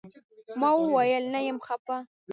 ما وويل نه يم خپه.